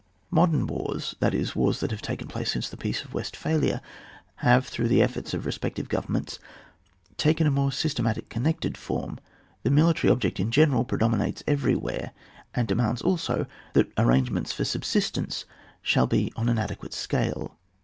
Modem wars, that is, the wars which have taken place since the Peace of West phalia, have, through the efforts of re spective governments, taken a more systematic connected form ; the military object, in general, predominates every where, and demands also that arrange ments for subsistence shall be on an ade quate scale.